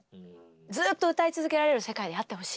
ずっと歌い続けられる世界であってほしい。